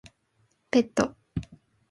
ペット